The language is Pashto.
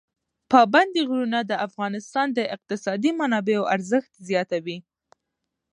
پابندي غرونه د افغانستان د اقتصادي منابعو ارزښت زیاتوي.